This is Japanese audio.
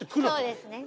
そうですね。